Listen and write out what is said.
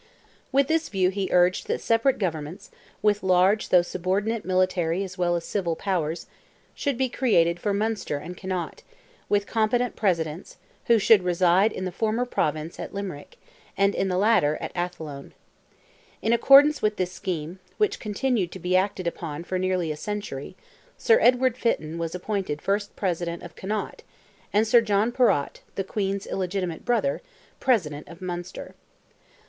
With this view he urged that separate governments, with large though subordinate military as well as civil powers, should be created for Munster and Connaught—with competent Presidents, who should reside in the former Province at Limerick, and in the latter, at Athlone. In accordance with this scheme—which continued to be acted upon for nearly a century—Sir Edward Fitton was appointed first President of Connaught, and Sir John Perrott, the Queen's illegitimate brother, President of Munster.